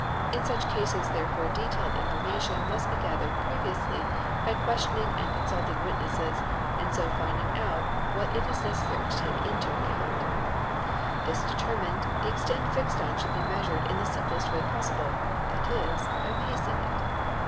In such cases therefore detailed information must be gathered previously by questioning and consulting witnesses and so finding out what it is necessary to take into account. This determined, the extent fixed on should be measured in the simplest way possible, that is, by pacing it.